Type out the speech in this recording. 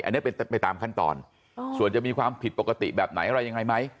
อันนี้เป็นไปตามขั้นตอนส่วนจะมีความผิดปกติแบบไหนอะไรยังไงไหม